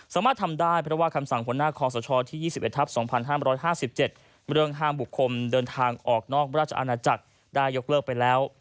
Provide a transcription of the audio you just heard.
สามารถทำได้เพราะว่าคำสั่งหัวหน้าคอสชที่๒๑ทับ๒๕๕๗เรื่องห้ามบุคคลเดินทางออกนอกราชอาณาจักรได้ยกเลิกไปแล้ว